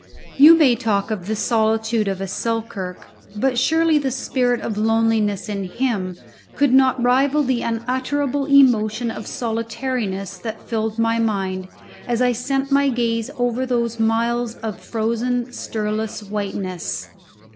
You may talk of the solitude of a Selkirk, but surely the spirit of loneliness in him could not rival the unutterable emotion of solitariness that filled my mind as I sent my gaze over those miles of frozen stirless whiteness.